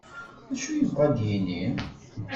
D acu i yebɣa ad d-yini?